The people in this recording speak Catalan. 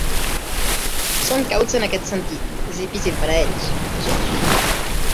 Són cauts en aquest sentit, és difícil per a ells, afegeix.